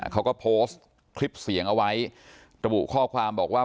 เขาก็โพสต์คลิปเสียงเอาไว้ระบุข้อความบอกว่า